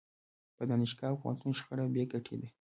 په دانشګاه او پوهنتون شخړه بې ګټې ده.